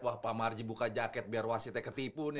wah pak marji buka jaket biar wasitnya ketipu nih